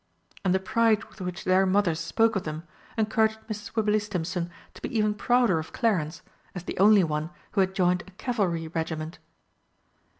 And the pride with which their mothers spoke of them encouraged Mrs. Wibberley Stimpson to be even prouder of Clarence, as the only one who had joined a Cavalry regiment.